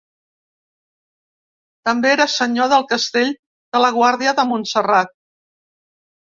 També era senyor del castell de la Guàrdia de Montserrat.